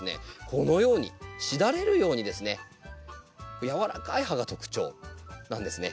このようにしだれるようにですねやわらかい葉が特徴なんですね。